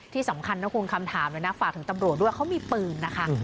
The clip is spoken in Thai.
ที่สำคัญนะคุณคำถามเลยนะฝากถึงตำรวจด้วยเขามีปืนนะคะ